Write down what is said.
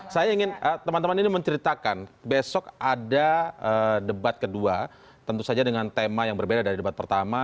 saya ingin teman teman ini menceritakan besok ada debat kedua tentu saja dengan tema yang berbeda dari debat pertama